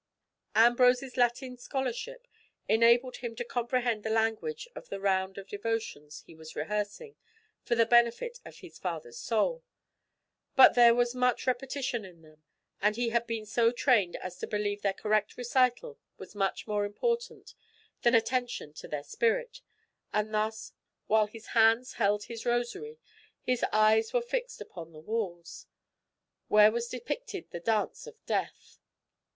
Ambrose's Latin scholarship enabled him to comprehend the language of the round of devotions he was rehearsing for the benefit of his father's soul; but there was much repetition in them, and he had been so trained as to believe their correct recital was much more important than attention to their spirit, and thus, while his hands held his rosary, his eyes were fixed upon the walls where was depicted the Dance of Death.